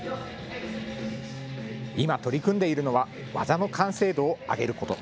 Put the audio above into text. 今、取り組んでいるのは技の完成度を上げること。